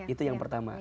itu yang pertama